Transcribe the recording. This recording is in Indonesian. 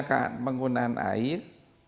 hemat penggunaan air